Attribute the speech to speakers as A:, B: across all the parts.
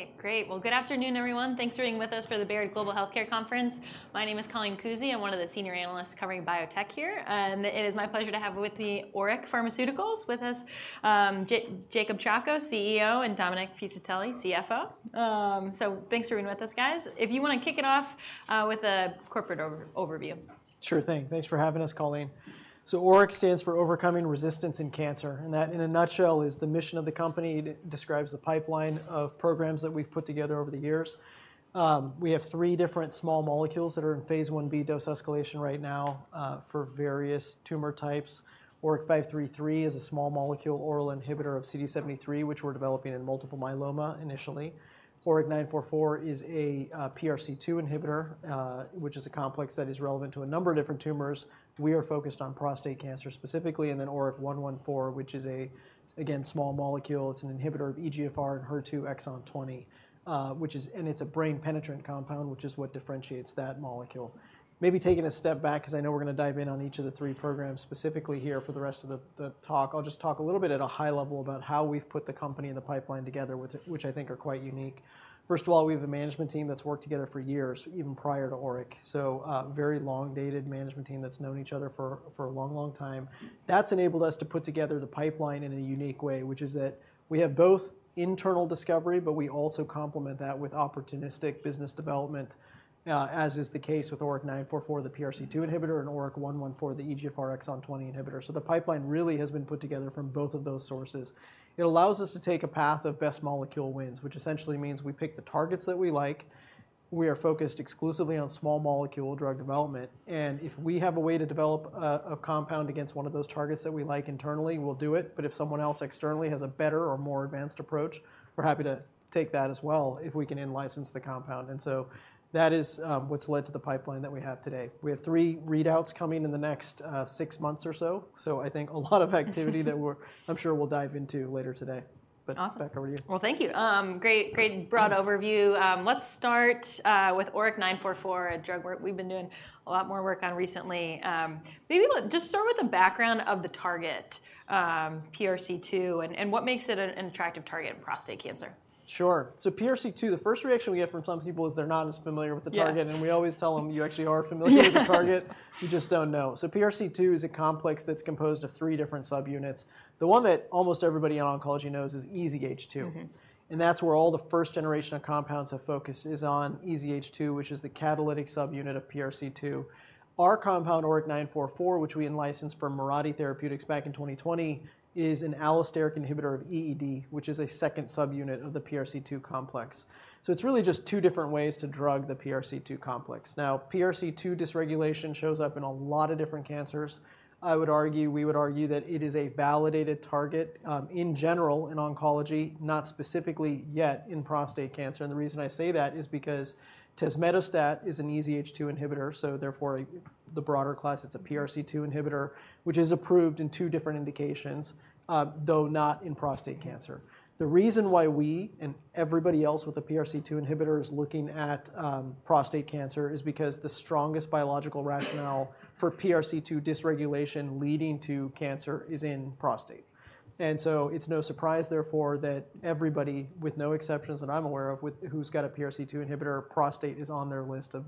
A: All right, great. Well, good afternoon, everyone. Thanks for being with us for the Baird Global Healthcare Conference. My name is Colleen Kusy. I'm one of the senior analysts covering biotech here, and it is my pleasure to have with me ORIC Pharmaceuticals, with us, Jacob Chacko, CEO, and Dominic Piscitelli, CFO. So thanks for being with us, guys. If you want to kick it off with a corporate overview.
B: Sure thing. Thanks for having us, Colleen. ORIC stands for Overcoming Resistance in Cancer, and that, in a nutshell, is the mission of the company. It describes the pipeline of programs that we've put together over the years. We have three different small molecules that are in phase Ib dose escalation right now for various tumor types. ORIC-533 is a small molecule oral inhibitor of CD73, which we're developing in multiple myeloma initially. ORIC-944 is a PRC2 inhibitor, which is a complex that is relevant to a number of different tumors. We are focused on prostate cancer specifically, and then ORIC-114, which is, again, a small molecule. It's an inhibitor of EGFR and HER2 exon 20, which is a brain-penetrant compound, which is what differentiates that molecule. Maybe taking a step back, 'cause I know we're gonna dive in on each of the three programs specifically here for the rest of the talk. I'll just talk a little bit at a high level about how we've put the company and the pipeline together, which I think are quite unique. First of all, we have a management team that's worked together for years, even prior to ORIC, so a very long-dated management team that's known each other for a long, long time. That's enabled us to put together the pipeline in a unique way, which is that we have both internal discovery, but we also complement that with opportunistic business development, as is the case with ORIC-944, the PRC2 inhibitor, and ORIC-114, the EGFR exon 20 inhibitor. So the pipeline really has been put together from both of those sources. It allows us to take a path of best molecule wins, which essentially means we pick the targets that we like. We are focused exclusively on small molecule drug development, and if we have a way to develop a, a compound against one of those targets that we like internally, we'll do it, but if someone else externally has a better or more advanced approach, we're happy to take that as well, if we can in-license the compound, and so that is what's led to the pipeline that we have today. We have 3 readouts coming in the next 6 months or so, so I think a lot of activity that I'm sure we'll dive into later today.
A: Awesome.
B: But back over to you.
A: Well, thank you. Great, great broad overview. Let's start with ORIC-944, a drug we've been doing a lot more work on recently. Maybe just start with the background of the target, PRC2, and what makes it an attractive target in prostate cancer?
B: Sure. So PRC2, the first reaction we get from some people is they're not as familiar with the target.
A: Yeah.
B: And we always tell them: "You actually are familiar with the target - you just don't know." So PRC2 is a complex that's composed of three different subunits. The one that almost everybody in oncology knows is EZH2.
A: Mm-hmm.
B: That's where all the first generation of compounds have focused, is on EZH2, which is the catalytic subunit of PRC2. Our compound, ORIC-944, which we in-licensed from Mirati Therapeutics back in 2020, is an allosteric inhibitor of EED, which is a second subunit of the PRC2 complex. It's really just two different ways to drug the PRC2 complex. Now, PRC2 dysregulation shows up in a lot of different cancers. I would argue, we would argue that it is a validated target, in general in oncology, not specifically yet in prostate cancer, and the reason I say that is because tazemetostat is an EZH2 inhibitor, so therefore, the broader class, it's a PRC2 inhibitor, which is approved in two different indications, though not in prostate cancer. The reason why we and everybody else with a PRC2 inhibitor is looking at prostate cancer is because the strongest biological rationale for PRC2 dysregulation leading to cancer is in prostate. And so it's no surprise, therefore, that everybody, with no exceptions that I'm aware of, who's got a PRC2 inhibitor, prostate is on their list of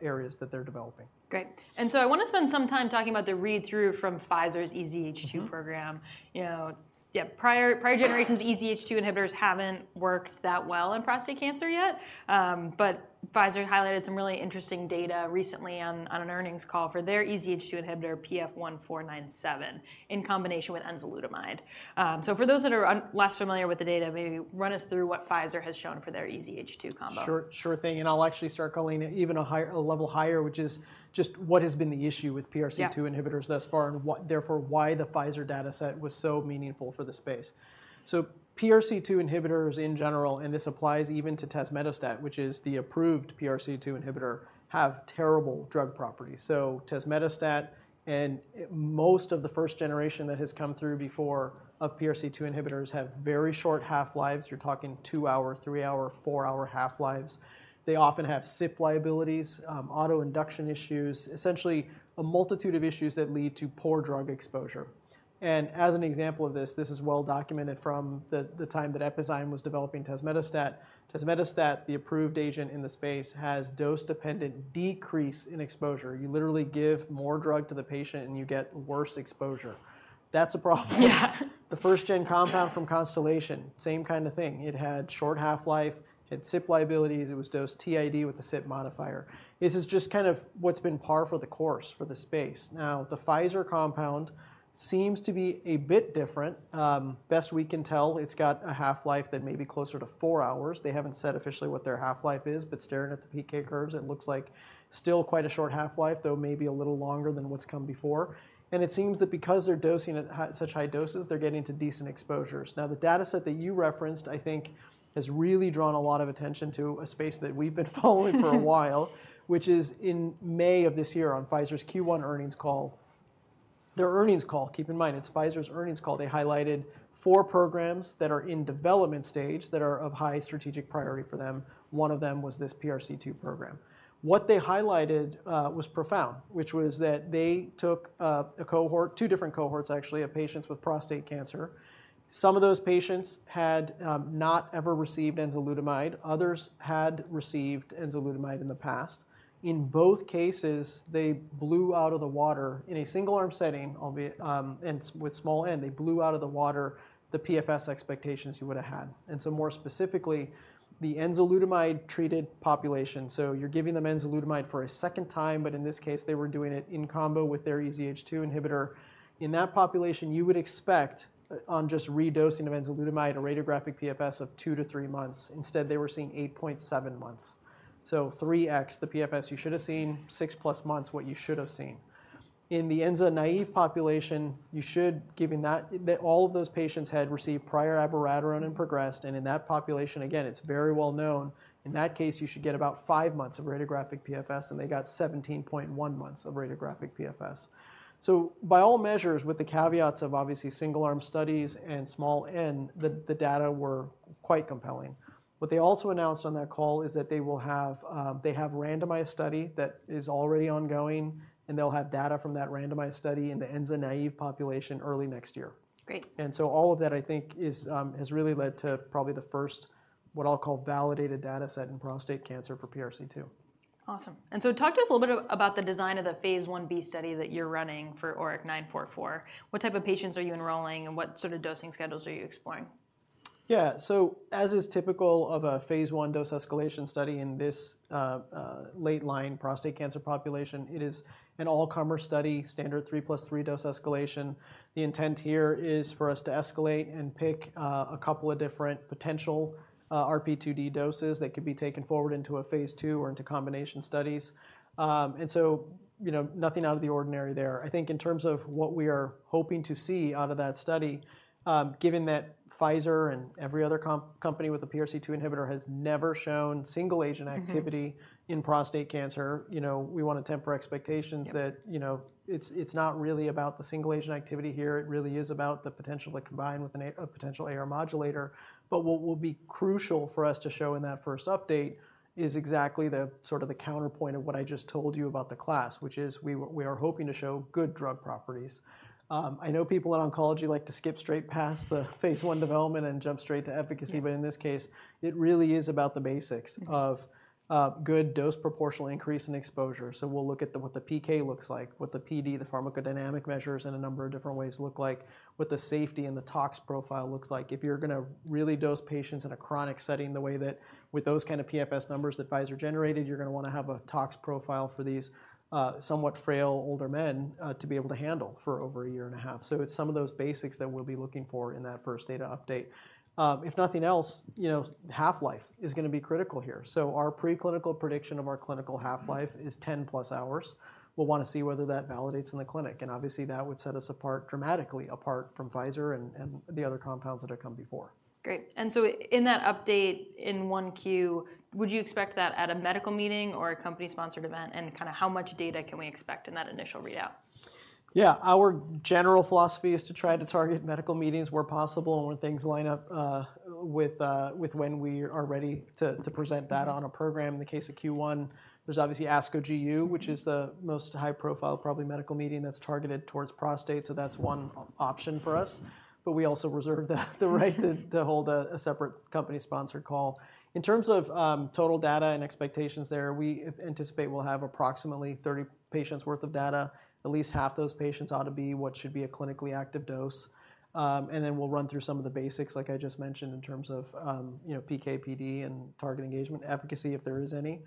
B: areas that they're developing.
A: Great. And so I wanna spend some time talking about the read-through from Pfizer's EZH2 program.
B: Mm-hmm.
A: You know, yeah, prior, prior generations of EZH2 inhibitors haven't worked that well in prostate cancer yet, but Pfizer highlighted some really interesting data recently on an earnings call for their EZH2 inhibitor, PF-06821497, in combination with enzalutamide. So for those that are unless familiar with the data, maybe run us through what Pfizer has shown for their EZH2 combo.
B: Sure, sure thing, and I'll actually start, Colleen, even a level higher, which is just what has been the issue with PRC2 inhibitors.
A: Yeah...
B: thus far, and what, therefore, why the Pfizer data set was so meaningful for the space. So PRC2 inhibitors in general, and this applies even to tazemetostat, which is the approved PRC2 inhibitor, have terrible drug properties. So tazemetostat and most of the first generation that has come through before of PRC2 inhibitors have very short half-lives. You're talking 2-hour, 3-hour, 4-hour half-lives. They often have CYP liabilities, autoinduction issues, essentially a multitude of issues that lead to poor drug exposure. And as an example of this, this is well documented from the time that Epizyme was developing tazemetostat. Tazemetostat, the approved agent in the space, has dose-dependent decrease in exposure. You literally give more drug to the patient, and you get worse exposure. That's a problem.
A: Yeah.
B: The first-gen compound from Constellation, same kind of thing. It had short half-life, it had CYP liabilities, it was dosed TID with a CYP modifier. This is just kind of what's been par for the course for the space. Now, the Pfizer compound seems to be a bit different. Best we can tell, it's got a half-life that may be closer to four hours. They haven't said officially what their half-life is, but staring at the PK curves, it looks like still quite a short half-life, though maybe a little longer than what's come before. And it seems that because they're dosing at hi- such high doses, they're getting to decent exposures. Now, the data set that you referenced, I think, has really drawn a lot of attention to a space that we've been following for a while, which is in May of this year on Pfizer's Q1 earnings call... their earnings call, keep in mind, it's Pfizer's earnings call, they highlighted four programs that are in development stage that are of high strategic priority for them. One of them was this PRC2 program. What they highlighted was profound, which was that they took a cohort, two different cohorts actually, of patients with prostate cancer. Some of those patients had not ever received enzalutamide, others had received enzalutamide in the past. In both cases, they blew out of the water in a single arm setting, albeit, and with small N, they blew out of the water the PFS expectations you would've had. So more specifically, the enzalutamide-treated population, so you're giving them enzalutamide for a second time, but in this case, they were doing it in combo with their EZH2 inhibitor. In that population, you would expect, on just redosing of enzalutamide, a radiographic PFS of 2-3 months. Instead, they were seeing 8.7 months. So 3x the PFS you should have seen, 6+ months, what you should have seen. In the enza-naive population, you should, given that all of those patients had received prior abiraterone and progressed, and in that population, again, it's very well known, in that case, you should get about 5 months of radiographic PFS, and they got 17.1 months of radiographic PFS. So by all measures, with the caveats of obviously single-arm studies and small N, the data were quite compelling. What they also announced on that call is that they have a randomized study that is already ongoing, and they'll have data from that randomized study in the enza-naive population early next year.
A: Great.
B: And so all of that, I think, has really led to probably the first, what I'll call validated data set in prostate cancer for PRC2.
A: Awesome. And so talk to us a little bit about the design of the phase Ib study that you're running for ORIC-944. What type of patients are you enrolling, and what sort of dosing schedules are you exploring?
B: Yeah. So as is typical of a phase I dose-escalation study in this late-line prostate cancer population, it is an all-comer study, standard 3 + 3 dose escalation. The intent here is for us to escalate and pick a couple of different potential RP2D doses that could be taken forward into a phase II or into combination studies. And so, you know, nothing out of the ordinary there. I think in terms of what we are hoping to see out of that study, given that Pfizer and every other company with a PRC2 inhibitor has never shown single-agent activity-
A: Mm-hmm...
B: in prostate cancer, you know, we want to temper expectations-
A: Yep...
B: that, you know, it's not really about the single-agent activity here. It really is about the potential to combine with a potential AR modulator. But what will be crucial for us to show in that first update is exactly the sort of the counterpoint of what I just told you about the class, which is we are hoping to show good drug properties. I know people in oncology like to skip straight past the phase I development and jump straight to efficacy.
A: Yep.
B: But in this case, it really is about the basics-
A: Mm-hmm...
B: of good dose proportional increase in exposure. So we'll look at the, what the PK looks like, what the PD, the pharmacodynamic measures in a number of different ways look like, what the safety and the tox profile looks like. If you're going to really dose patients in a chronic setting, the way that with those kind of PFS numbers that Pfizer generated, you're going to want to have a tox profile for these, somewhat frail, older men, to be able to handle for over a year and a half. So it's some of those basics that we'll be looking for in that first data update. If nothing else, you know, half-life is going to be critical here. So our preclinical prediction of our clinical half-life is 10+ hours. We'll want to see whether that validates in the clinic, and obviously, that would set us apart, dramatically apart from Pfizer and the other compounds that have come before.
A: Great. And so in that update, in 1Q, would you expect that at a medical meeting or a company-sponsored event? And kind of how much data can we expect in that initial readout?
B: Yeah. Our general philosophy is to try to target medical meetings where possible and when things line up with when we are ready to present data on a program. In the case of Q1, there's obviously ASCO GU-
A: Mm-hmm...
B: which is the most high-profile, probably, medical meeting that's targeted towards prostate, so that's one option for us. But we also reserve the right to hold a separate company-sponsored call. In terms of total data and expectations there, we anticipate we'll have approximately 30 patients' worth of data. At least half those patients ought to be what should be a clinically active dose. And then we'll run through some of the basics, like I just mentioned, in terms of, you know, PK/PD and target engagement, efficacy, if there is any.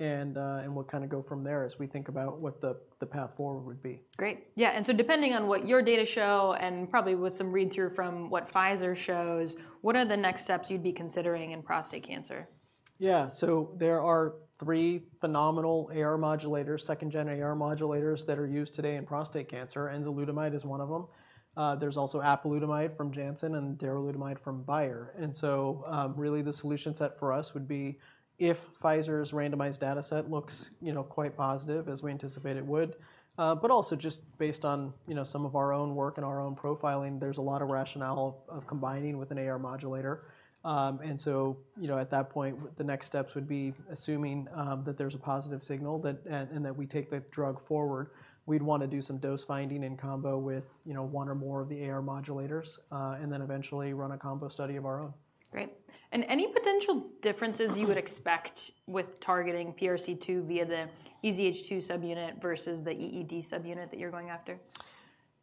B: And we'll kind of go from there as we think about what the path forward would be.
A: Great. Yeah, and so depending on what your data show, and probably with some read-through from what Pfizer shows, what are the next steps you'd be considering in prostate cancer?
B: Yeah. So there are three phenomenal AR modulators, second-gen AR modulators, that are used today in prostate cancer. Enzalutamide is one of them. There's also apalutamide from Janssen and darolutamide from Bayer. And so, really, the solution set for us would be if Pfizer's randomized data set looks, you know, quite positive, as we anticipate it would, but also just based on, you know, some of our own work and our own profiling, there's a lot of rationale of combining with an AR modulator. And so, you know, at that point, the next steps would be assuming that there's a positive signal, and that we take the drug forward, we'd want to do some dose finding in combo with, you know, one or more of the AR modulators, and then eventually run a combo study of our own.
A: Great. And any potential differences you would expect with targeting PRC2 via the EZH2 subunit versus the EED subunit that you're going after?...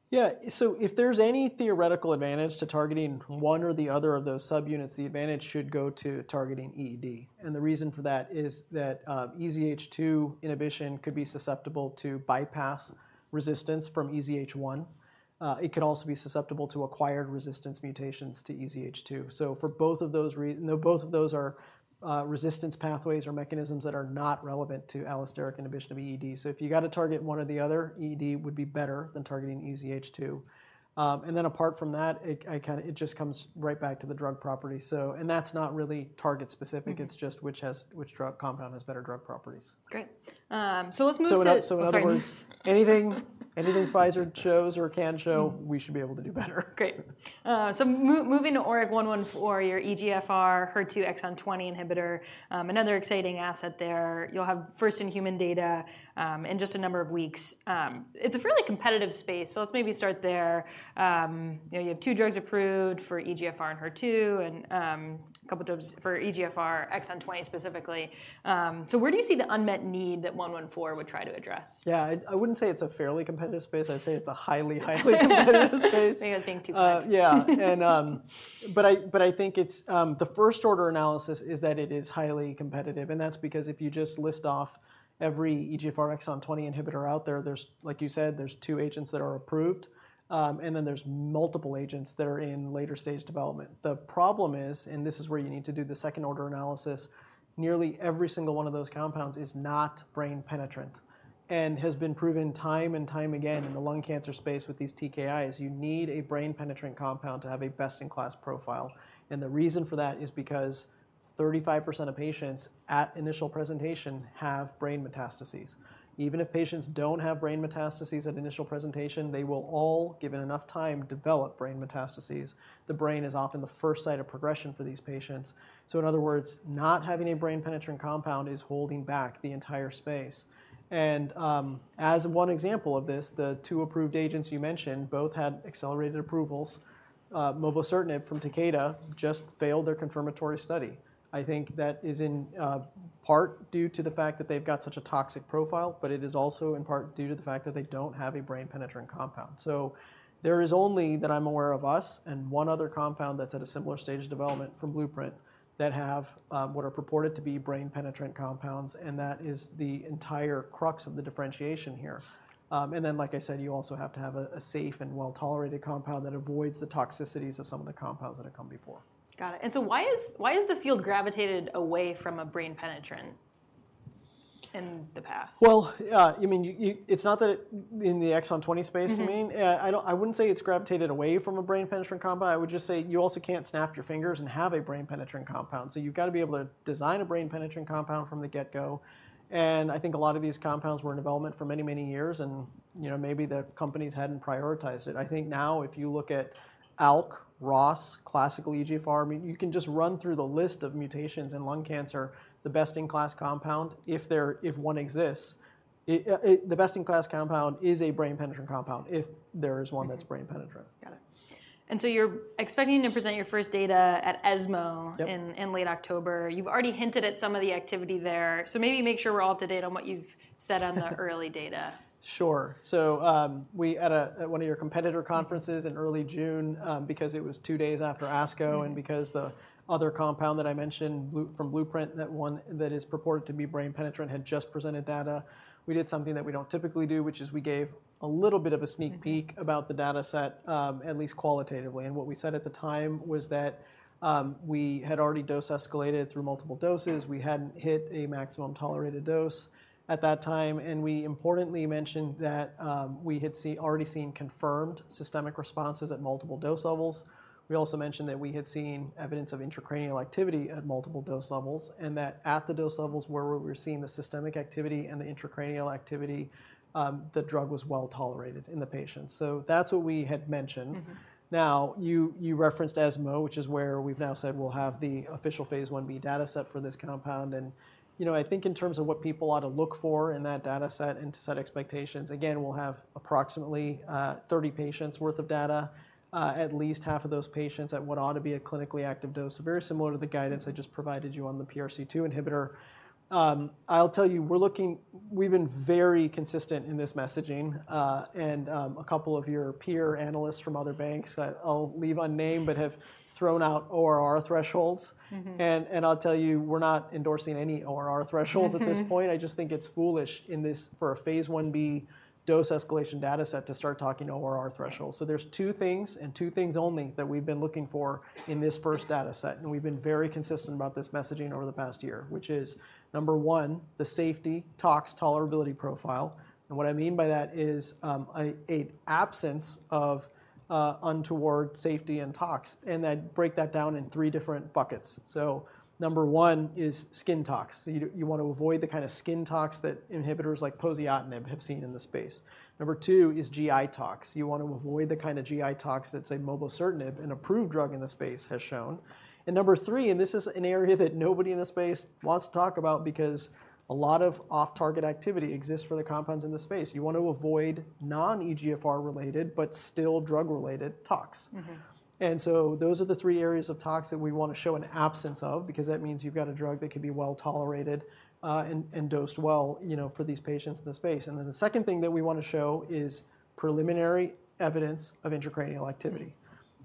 B: Yeah, so if there's any theoretical advantage to targeting one or the other of those subunits, the advantage should go to targeting EED. And the reason for that is that, EZH2 inhibition could be susceptible to bypass resistance from EZH1. It could also be susceptible to acquired resistance mutations to EZH2. So for both of those, both of those are resistance pathways or mechanisms that are not relevant to allosteric inhibition of EED. So if you gotta target one or the other, EED would be better than targeting EZH2. And then apart from that, it, I kinda, it just comes right back to the drug property. So, and that's not really target specific-
A: Mm-hmm.
B: It's just which drug compound has better drug properties.
A: Great. So let's move to-
B: So in other words-
A: I'm sorry....
B: anything, anything Pfizer shows or can show, we should be able to do better.
A: Great. So moving to ORIC-114, your EGFR HER2 exon 20 inhibitor, another exciting asset there. You'll have first-in-human data, in just a number of weeks. It's a fairly competitive space, so let's maybe start there. You know, you have two drugs approved for EGFR and HER2, and, a couple drugs for EGFR exon 20 specifically. So where do you see the unmet need that ORIC-114 would try to address?
B: Yeah, I wouldn't say it's a fairly competitive space. I'd say it's a highly, highly competitive space.
A: Yeah, thank you.
B: Yeah. But I think it's the first-order analysis is that it is highly competitive, and that's because if you just list off every EGFR exon 20 inhibitor out there, like you said, there's two agents that are approved. And then there's multiple agents that are in later-stage development. The problem is, and this is where you need to do the second-order analysis, nearly every single one of those compounds is not brain-penetrant, and has been proven time and time again in the lung cancer space with these TKIs. You need a brain-penetrant compound to have a best-in-class profile, and the reason for that is because 35% of patients at initial presentation have brain metastases. Even if patients don't have brain metastases at initial presentation, they will all, given enough time, develop brain metastases. The brain is often the first site of progression for these patients. So in other words, not having a brain-penetrant compound is holding back the entire space. And as one example of this, the two approved agents you mentioned, both had accelerated approvals. Mobocertinib from Takeda just failed their confirmatory study. I think that is in part due to the fact that they've got such a toxic profile, but it is also in part due to the fact that they don't have a brain-penetrant compound. So there is only, that I'm aware of, us and one other compound that's at a similar stage of development from Blueprint, that have what are purported to be brain-penetrant compounds, and that is the entire crux of the differentiation here. And then, like I said, you also have to have a safe and well-tolerated compound that avoids the toxicities of some of the compounds that have come before.
A: Got it. And so why has the field gravitated away from a brain-penetrant in the past?
B: Well, you mean... It's not that, in the exon 20 space, you mean?
A: Mm-hmm.
B: I don't, I wouldn't say it's gravitated away from a brain-penetrant compound. I would just say you also can't snap your fingers and have a brain-penetrant compound, so you've got to be able to design a brain-penetrant compound from the get-go. And I think a lot of these compounds were in development for many, many years, and, you know, maybe the companies hadn't prioritized it. I think now, if you look at ALK, ROS, classical EGFR, I mean, you can just run through the list of mutations in lung cancer, the best-in-class compound, if there, if one exists, it, it... The best-in-class compound is a brain-penetrant compound if there is one that's brain penetrant.
A: Mm-hmm. Got it. And so you're expecting to present your first data at ESMO-
B: Yep...
A: in late October. You've already hinted at some of the activity there, so maybe make sure we're all up to date on what you've said on the early data.
B: Sure. So, we at one of your competitor conferences in early June, because it was two days after ASCO-
A: Mm...
B: and because the other compound that I mentioned from Blueprint, that one that is purported to be brain penetrant, had just presented data, we did something that we don't typically do, which is we gave a little bit of a sneak peek-
A: Mm-hmm...
B: about the dataset, at least qualitatively. And what we said at the time was that, we had already dose escalated through multiple doses. We hadn't hit a maximum tolerated dose at that time, and we importantly mentioned that, we had already seen confirmed systemic responses at multiple dose levels. We also mentioned that we had seen evidence of intracranial activity at multiple dose levels, and that at the dose levels where we were seeing the systemic activity and the intracranial activity, the drug was well-tolerated in the patients. So that's what we had mentioned.
A: Mm-hmm.
B: Now, you referenced ESMO, which is where we've now said we'll have the official Phase Ib dataset for this compound. You know, I think in terms of what people ought to look for in that dataset and to set expectations, again, we'll have approximately 30 patients worth of data, at least half of those patients at what ought to be a clinically active dose. So very similar to the guidance I just provided you on the PRC2 inhibitor. I'll tell you, we're looking... We've been very consistent in this messaging, and a couple of your peer analysts from other banks, I'll leave unnamed, but have thrown out ORR thresholds.
A: Mm-hmm.
B: I'll tell you, we're not endorsing any ORR thresholds at this point. I just think it's foolish in this, for a Phase Ib dose escalation dataset, to start talking ORR thresholds. So there's two things, and two things only, that we've been looking for in this first dataset, and we've been very consistent about this messaging over the past year, which is, number one, the safety tox tolerability profile. And what I mean by that is, absence of untoward safety and tox, and I'd break that down in three different buckets. So number one is skin tox. You want to avoid the kind of skin tox that inhibitors like poziotinib have seen in the space. Number two is GI tox. You want to avoid the kind of GI tox that, say, mobocertinib, an approved drug in the space, has shown. And number three, and this is an area that nobody in the space wants to talk about because a lot of off-target activity exists for the compounds in this space. You want to avoid non-EGFR related, but still drug related, tox.
A: Mm-hmm.
B: And so those are the three areas of tox that we want to show an absence of, because that means you've got a drug that can be well-tolerated, and dosed well, you know, for these patients in the space. And then the second thing that we want to show is preliminary evidence of intracranial activity.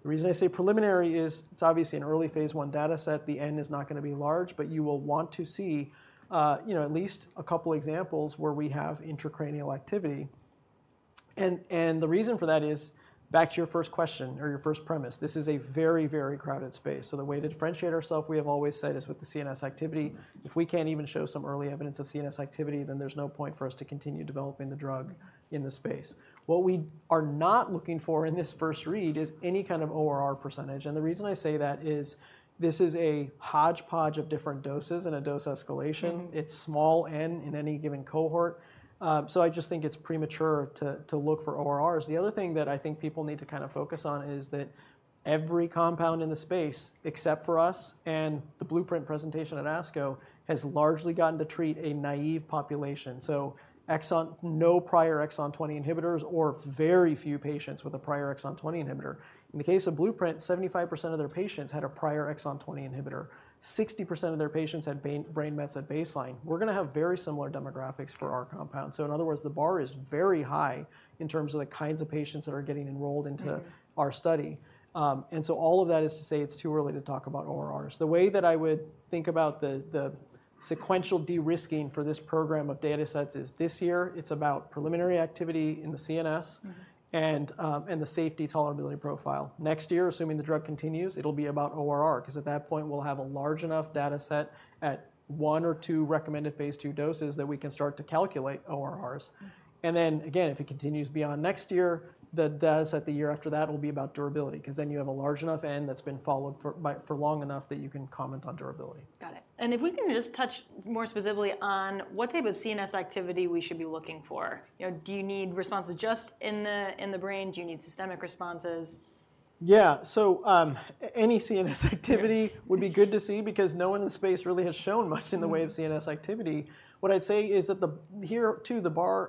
B: The reason I say preliminary is it's obviously an early phase I dataset. The N is not going to be large, but you will want to see, you know, at least a couple examples where we have intracranial activity.... And the reason for that is, back to your first question or your first premise, this is a very, very crowded space. So the way to differentiate ourselves, we have always said, is with the CNS activity. If we can't even show some early evidence of CNS activity, then there's no point for us to continue developing the drug in the space. What we are not looking for in this first read is any kind of ORR %, and the reason I say that is this is a hodgepodge of different doses and a dose escalation.
A: Mm-hmm.
B: It's small N in any given cohort, so I just think it's premature to look for ORRs. The other thing that I think people need to kind of focus on is that every compound in the space, except for us and the Blueprint presentation at ASCO, has largely gotten to treat a naive population. So exon, no prior exon 20 inhibitors or very few patients with a prior exon 20 inhibitor. In the case of Blueprint, 75% of their patients had a prior exon 20 inhibitor. 60% of their patients had brain mets at baseline. We're gonna have very similar demographics for our compound. So in other words, the bar is very high in terms of the kinds of patients that are getting enrolled into-
A: Mm...
B: our study. And so all of that is to say it's too early to talk about ORRs. The way that I would think about the sequential de-risking for this program of data sets is, this year, it's about preliminary activity in the CNS-
A: Mm-hmm...
B: and the safety tolerability profile. Next year, assuming the drug continues, it'll be about ORR, 'cause at that point, we'll have a large enough data set at 1 or 2 recommended phase two doses that we can start to calculate ORRs.
A: Mm.
B: And then again, if it continues beyond next year, the dataset the year after that will be about durability, 'cause then you have a large enough N that's been followed for long enough that you can comment on durability.
A: Got it. And if we can just touch more specifically on what type of CNS activity we should be looking for. You know, do you need responses just in the brain? Do you need systemic responses?
B: Yeah, so, any CNS activity-
A: Yeah...
B: would be good to see because no one in the space really has shown much-
A: Mm...
B: in the way of CNS activity. What I'd say is that the bar here, too,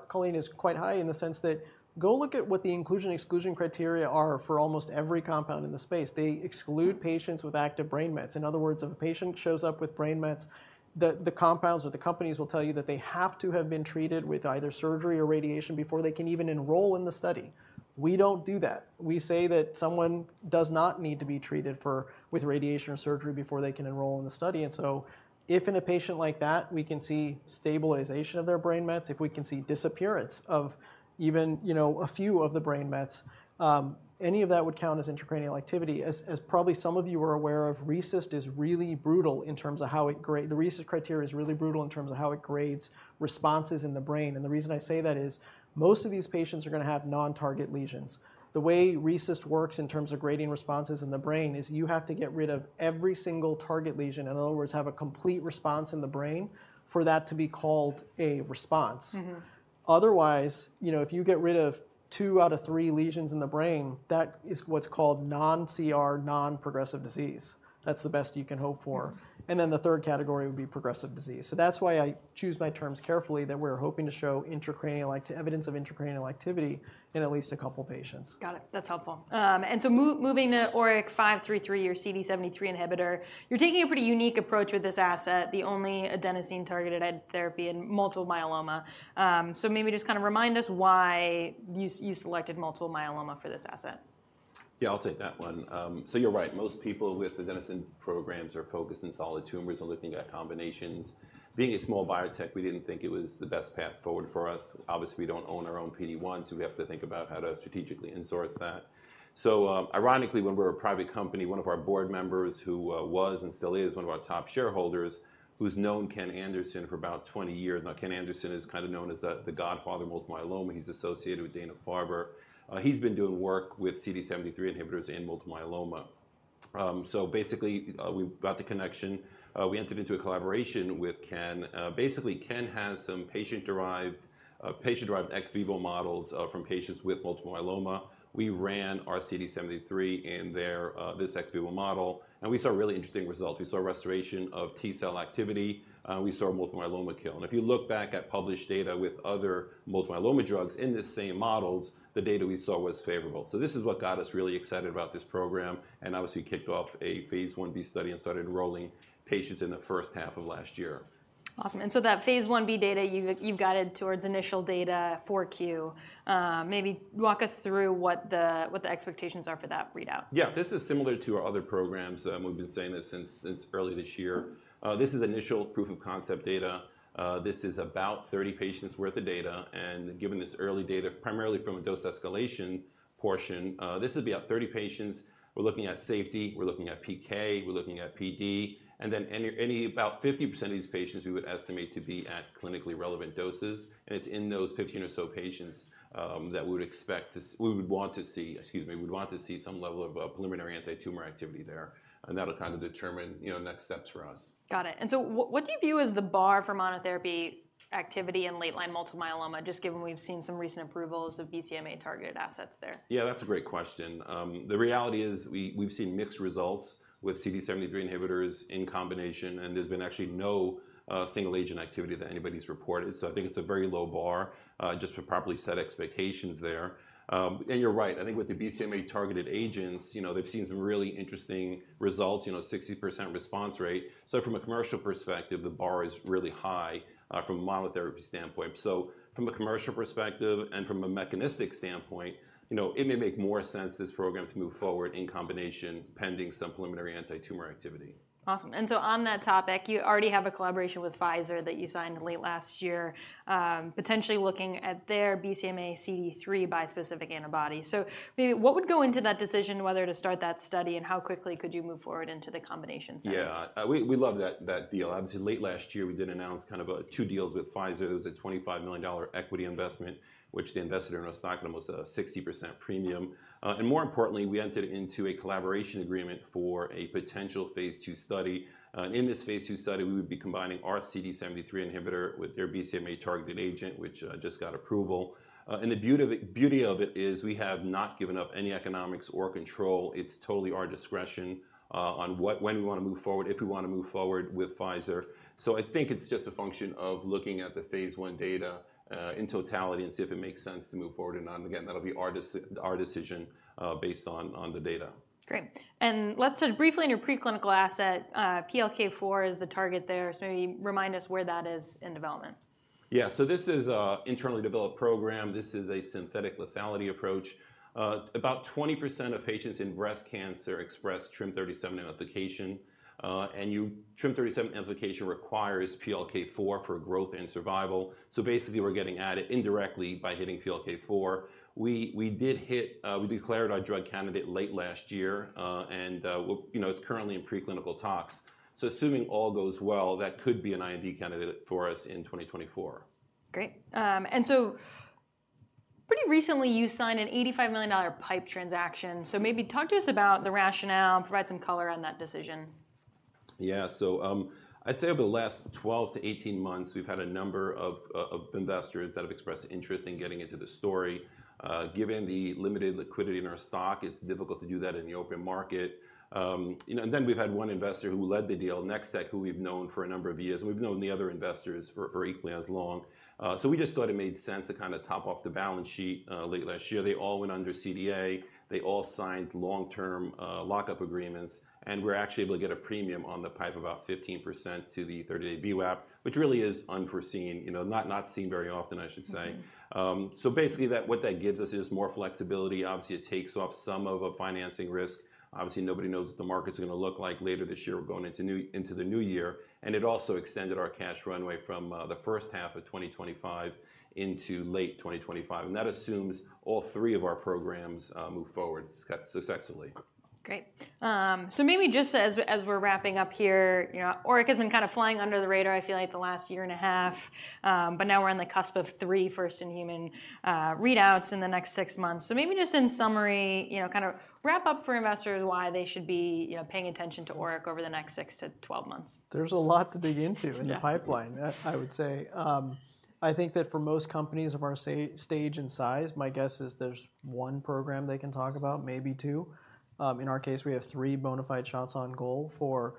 B: Colleen, is quite high in the sense that go look at what the inclusion/exclusion criteria are for almost every compound in the space. They exclude patients with active brain mets. In other words, if a patient shows up with brain mets, the compounds or the companies will tell you that they have to have been treated with either surgery or radiation before they can even enroll in the study. We don't do that. We say that someone does not need to be treated with radiation or surgery before they can enroll in the study. So if in a patient like that, we can see stabilization of their brain mets, if we can see disappearance of even, you know, a few of the brain mets, any of that would count as intracranial activity. As probably some of you are aware of, RECIST is really brutal in terms of how it grades responses in the brain. The reason I say that is most of these patients are gonna have non-target lesions. The way RECIST works in terms of grading responses in the brain is you have to get rid of every single target lesion, in other words, have a complete response in the brain, for that to be called a response.
A: Mm-hmm.
B: Otherwise, you know, if you get rid of two out of three lesions in the brain, that is what's called non-CR, non-progressive disease. That's the best you can hope for.
A: Mm.
B: And then the third category would be progressive disease. So that's why I choose my terms carefully, that we're hoping to show evidence of intracranial activity in at least a couple patients.
A: Got it. That's helpful. And so moving to ORIC-533, your CD73 inhibitor, you're taking a pretty unique approach with this asset, the only adenosine-targeted therapy in multiple myeloma. So maybe just kind of remind us why you selected multiple myeloma for this asset.
C: Yeah, I'll take that one. So you're right, most people with adenosine programs are focused on solid tumors and looking at combinations. Being a small biotech, we didn't think it was the best path forward for us. Obviously, we don't own our own PD-1, so we have to think about how to strategically in-source that. So, ironically, when we were a private company, one of our board members, who was and still is one of our top shareholders, who's known Ken Anderson for about 20 years now. Ken Anderson is kind of known as the godfather of multiple myeloma. He's associated with Dana-Farber. He's been doing work with CD73 inhibitors in multiple myeloma. So basically, we got the connection. We entered into a collaboration with Ken. Basically, Ken has some patient-derived, patient-derived ex vivo models from patients with multiple myeloma. We ran our CD73 in their, this ex vivo model, and we saw a really interesting result. We saw restoration of T-cell activity, we saw multiple myeloma kill. And if you look back at published data with other multiple myeloma drugs in the same models, the data we saw was favorable. So this is what got us really excited about this program, and obviously, kicked off a phase 1b study and started enrolling patients in the first half of last year.
A: Awesome. So that phase Ib data, you've, you've guided towards initial data 4Q. Maybe walk us through what the, what the expectations are for that readout.
C: Yeah, this is similar to our other programs. We've been saying this since early this year. This is initial proof of concept data. This is about 30 patients' worth of data, and given it's early data, primarily from a dose escalation portion, this would be about 30 patients. We're looking at safety, we're looking at PK, we're looking at PD, and then any about 50% of these patients, we would estimate to be at clinically relevant doses, and it's in those 15 or so patients that we would want to see, excuse me, we'd want to see some level of preliminary antitumor activity there, and that'll kind of determine, you know, next steps for us.
A: Got it. And so what, what do you view as the bar for monotherapy activity in late-line multiple myeloma, just given we've seen some recent approvals of BCMA-targeted assets there?
C: Yeah, that's a great question. The reality is, we, we've seen mixed results with CD73 inhibitors in combination, and there's been actually no single-agent activity that anybody's reported. So I think it's a very low bar, just to properly set expectations there. And you're right, I think with the BCMA-targeted agents, you know, they've seen some really interesting results, you know, 60% response rate. So from a commercial perspective, the bar is really high, from a monotherapy standpoint. So from a commercial perspective and from a mechanistic standpoint, you know, it may make more sense, this program, to move forward in combination, pending some preliminary antitumor activity.
A: Awesome. And so on that topic, you already have a collaboration with Pfizer that you signed late last year, potentially looking at their BCMA CD3 bispecific antibody. So maybe what would go into that decision, whether to start that study, and how quickly could you move forward into the combination setting?
C: Yeah, we love that deal. Obviously, late last year, we did announce kind of two deals with Pfizer. It was a $25 million equity investment, which they invested in our stock, and it was a 60% premium. And more importantly, we entered into a collaboration agreement for a potential phase 2 study. In this phase 2 study, we would be combining our CD73 inhibitor with their BCMA-targeted agent, which just got approval. And the beauty of it is we have not given up any economics or control. It's totally our discretion on when we wanna move forward, if we wanna move forward with Pfizer. So I think it's just a function of looking at the phase 1 data in totality and see if it makes sense to move forward or not. Again, that'll be our decision based on the data.
A: Great. And let's touch briefly on your preclinical asset. PLK4 is the target there, so maybe remind us where that is in development....
C: Yeah, so this is a internally developed program. This is a synthetic lethality approach. About 20% of patients in breast cancer express TRIM37 amplification, and TRIM37 amplification requires PLK4 for growth and survival. So basically, we're getting at it indirectly by hitting PLK4. We declared our drug candidate late last year, and, well, you know, it's currently in preclinical talks. So assuming all goes well, that could be an IND candidate for us in 2024.
A: Great. And so pretty recently, you signed an $85 million PIPE transaction. So maybe talk to us about the rationale, provide some color on that decision.
C: Yeah. So, I'd say over the last 12-18 months, we've had a number of investors that have expressed interest in getting into the story. Given the limited liquidity in our stock, it's difficult to do that in the open market. You know, and then we've had one investor who led the deal, Nextech, who we've known for a number of years, and we've known the other investors for equally as long. So we just thought it made sense to kind of top off the balance sheet late last year. They all went under CDA, they all signed long-term lockup agreements, and we're actually able to get a premium on the PIPE, about 15% to the 30-day VWAP, which really is unforeseen, you know, not seen very often, I should say.
A: Mm-hmm.
C: So basically, what that gives us is more flexibility. Obviously, it takes off some of a financing risk. Obviously, nobody knows what the market's gonna look like later this year, or going into the new year, and it also extended our cash runway from the first half of 2025 into late 2025, and that assumes all three of our programs move forward successfully.
A: Great. So maybe just as we're wrapping up here, you know, ORIC has been kind of flying under the radar, I feel like, the last year and a half. But now we're on the cusp of 3 first-in-human readouts in the next 6 months. So maybe just in summary, you know, kind of wrap up for investors why they should be, you know, paying attention to ORIC over the next 6-12 months.
B: There's a lot to dig into.
A: Yeah...
B: in the pipeline, I would say. I think that for most companies of our stage and size, my guess is there's one program they can talk about, maybe two. In our case, we have three bona fide shots on goal for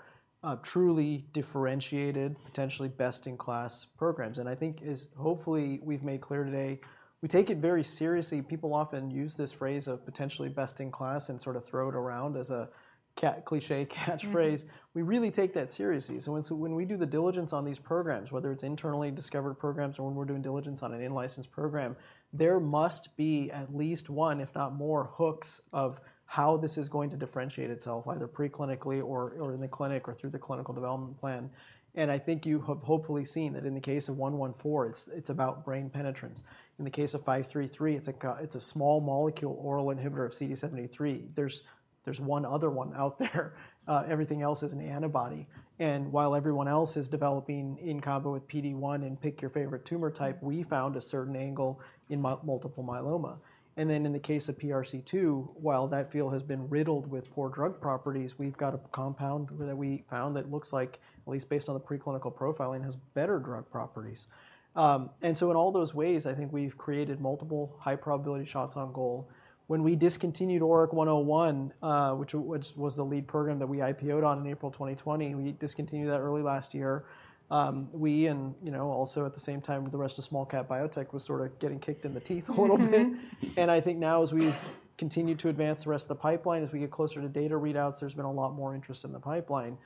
B: truly differentiated, potentially best-in-class programs. And I think, hopefully we've made clear today, we take it very seriously. People often use this phrase of potentially best-in-class and sort of throw it around as a cliché catchphrase.
A: Mm-hmm.
B: We really take that seriously. So when we do the diligence on these programs, whether it's internally discovered programs or when we're doing diligence on an in-licensed program, there must be at least one, if not more, hooks of how this is going to differentiate itself, either preclinically or in the clinic, or through the clinical development plan. And I think you have hopefully seen that in the case of 114, it's about brain penetrance. In the case of 533, it's a small molecule, oral inhibitor of CD73. There's one other one out there, everything else is an antibody. And while everyone else is developing in combo with PD-1 and pick your favorite tumor type, we found a certain angle in multiple myeloma. And then in the case of PRC2, while that field has been riddled with poor drug properties, we've got a compound that we found that looks like, at least based on the preclinical profiling, has better drug properties. And so in all those ways, I think we've created multiple high probability shots on goal. When we discontinued ORIC-101, which, which was the lead program that we IPO'd on in April 2020, we discontinued that early last year. We, and, you know, also at the same time with the rest of small cap biotech, was sort of getting kicked in the teeth a little bit.
A: Mm-hmm.
B: I think now as we've continued to advance the rest of the pipeline, as we get closer to data readouts, there's been a lot more interest in the pipeline.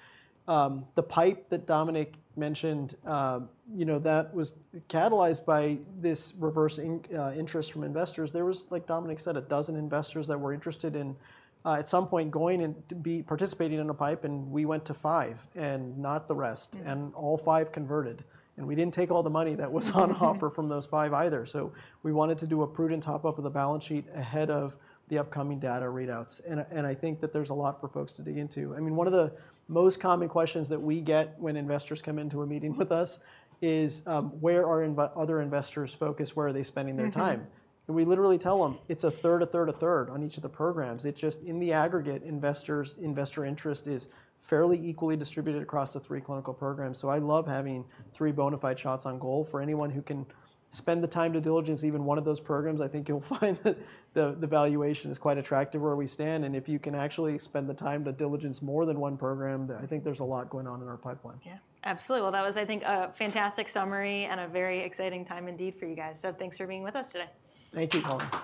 B: The PIPE that Dominic mentioned, you know, that was catalyzed by this reversal in interest from investors. There was, like Dominic said, 12 investors that were interested in, at some point going in to be participating in a PIPE, and we went to 5, and not the rest.
A: Yeah.
B: And all five converted, and we didn't take all the money that was on offer.
A: Mm-hmm...
B: from those five either. So we wanted to do a prudent top-up of the balance sheet ahead of the upcoming data readouts. And I think that there's a lot for folks to dig into. I mean, one of the most common questions that we get when investors come into a meeting with us is, "Where are other investors focused? Where are they spending their time?
A: Mm-hmm.
B: We literally tell them: It's a third, a third, a third on each of the programs. It just... In the aggregate, investor interest is fairly equally distributed across the three clinical programs. So I love having three bona fide shots on goal. For anyone who can spend the time to diligence even one of those programs, I think you'll find that the, the valuation is quite attractive where we stand, and if you can actually spend the time to diligence more than one program, then I think there's a lot going on in our pipeline.
A: Yeah. Absolutely. Well, that was, I think, a fantastic summary and a very exciting time indeed for you guys. So thanks for being with us today.
B: Thank you, Paula.